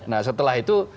nah setelah itu